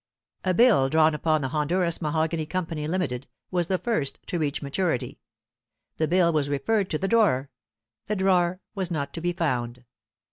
A bill drawn upon the Honduras Mahogany Company, Limited, was the first to reach maturity. The bill was referred to the drawer the drawer was not to be found.